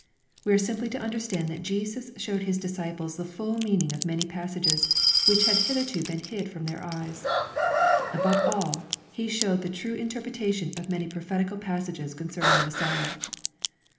We are simply to understand that Jesus showed His disciples the full meaning of many passages which had hitherto been hid from their eyes. Above all,. He showed the true interpretation of many prophetical pas sages concerning the Messiah.